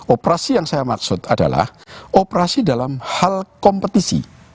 operasi yang saya maksud adalah operasi dalam hal kompetisi